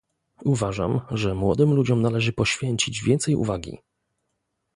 Uważam, że młodym ludziom należy poświęcić więcej uwagi